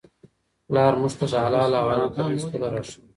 پلار موږ ته د حلال او حرام ترمنځ پولې را ښيي.